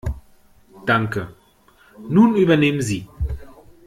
Danke. Nun übernehmen Sie.